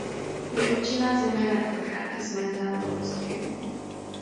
Je určená zejména pro žáky s mentálním postižením.